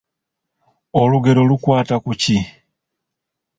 Olugero lukwata ku ki?